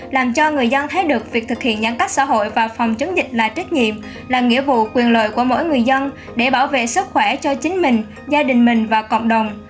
là nghĩa vụ quyền lợi của mỗi người dân để bảo vệ sức khỏe cho chính mình gia đình mình và cộng đồng